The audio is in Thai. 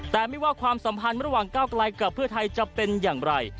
แต่ไม่ว่าความสัมพันธ์ระหว่างก้าวไกลกับเพื่อไทยจะเป็นอย่างไร